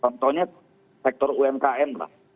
contohnya sektor umkm lah